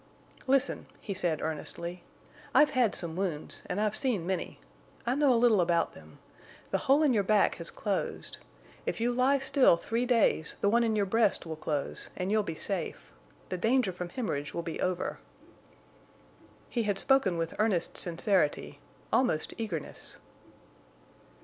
"Listen," he said, earnestly. "I've had some wounds, and I've seen many. I know a little about them. The hole in your back has closed. If you lie still three days the one in your breast will close and you'll be safe. The danger from hemorrhage will be over." He had spoken with earnest sincerity, almost eagerness.